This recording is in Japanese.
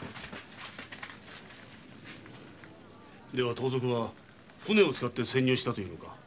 盗賊は舟を使って潜入したというのか？